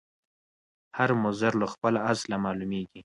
هر مضر له خپله اصله معلومیږي